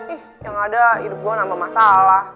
ih yang ada hidup gue nambah masalah